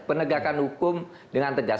penegakan hukum dengan tegas